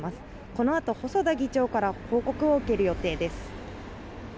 このあと細田議長から報告を受ける予定です。